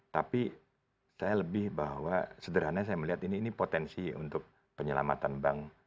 tapi saya lebih bahwa sederhana saya melihat ini potensi untuk penyelamatan bank